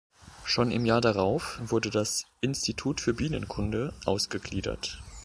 Schon im Jahr darauf wurde das "Institut für Bienenkunde" ausgegliedert.